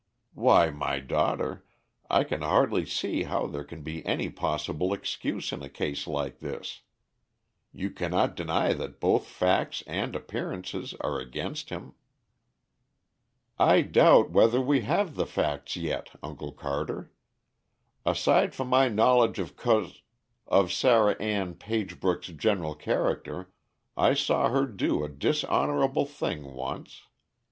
"Why, my daughter, I can hardly see how there can be any possible excuse in a case like this. You cannot deny that both facts and appearances are against him." "I doubt whether we have the facts yet, Uncle Carter. Aside from my knowledge of Cous of Sarah Ann Pagebrook's general character, I saw her do a dishonorable thing once.